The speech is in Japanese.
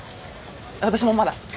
私もまだ。